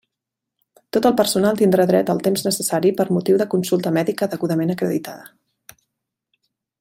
Tot el personal tindrà dret al temps necessari per motiu de consulta mèdica degudament acreditada.